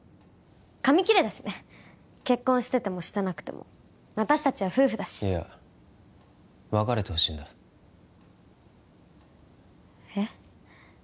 紙切れだしね結婚しててもしてなくても私達は夫婦だしいや別れてほしいんだえっ？